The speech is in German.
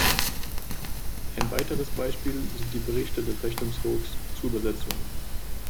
Ein weiteres Beispiel sind die Berichte des Rechnungshofs zu Übersetzungen.